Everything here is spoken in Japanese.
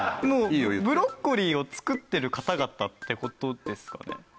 ブロッコリーを作ってる方々って事ですかね？